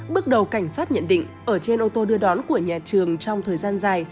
bước đầu cảnh sát nhận định ở trên ô tô đưa đón của nhà trường trong thời gian dài